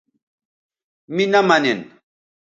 می نہ منین